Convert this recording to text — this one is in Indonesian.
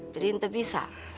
jadi ente bisa